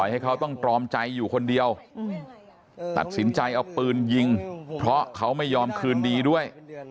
ให้เขาต้องตรอมใจอยู่คนเดียวตัดสินใจเอาปืนยิงเพราะเขาไม่ยอมคืนดีด้วย